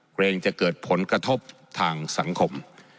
เกรงจะเกิดผลกระทบทางสังคม